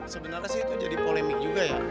sebenarnya sih itu jadi polemik juga ya